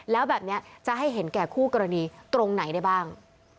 แล้วแบบนี้จะให้เห็นแก่คู่กรณีตรงไหนได้บ้าง